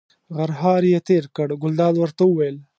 غرهار یې تېر کړ، ګلداد ورته وویل.